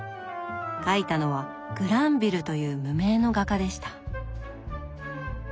描いたのはグランヴィルという無名の画家でした。